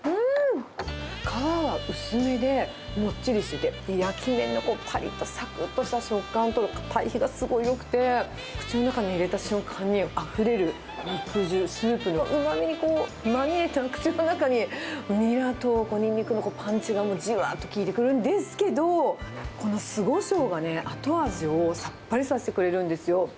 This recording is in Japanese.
皮は薄めでもっちりしてて、焼き目のぱりっとさくっとした食感との対比がすごいよくて、口の中に入れた瞬間にあふれる肉汁、スープのうまみにまみれて、口の中にニラとニンニクのパンチがもうじわっと効いてくるんですけど、この酢ごしょうがね、後味をさっぱりさせてくれるんですよ。